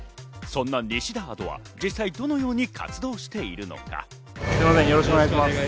そんなニシダ・アドは実際どのように活動しているのか。